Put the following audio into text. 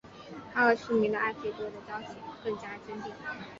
他和失明的艾费多的交情更加坚定。